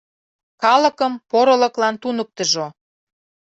Калыкым порылыклан туныктыжо.